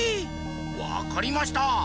わかりました！